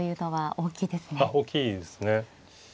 大きいですね。